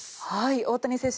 大谷選手